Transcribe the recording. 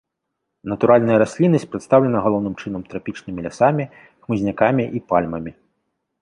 Натуральная расліннасць прадстаўлена галоўным чынам трапічнымі лясамі, хмызнякамі і пальмамі.